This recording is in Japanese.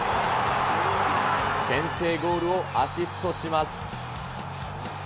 先制ゴールをアシストします。